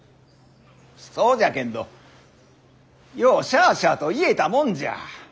そうじゃけんどようしゃあしゃあと言えたもんじゃ。